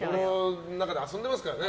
遊んでますからね。